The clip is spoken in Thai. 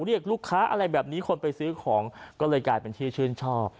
เรียกลูกค้าอะไรแบบนี้คนไปซื้อของก็เลยกลายเป็นที่ชื่นชอบ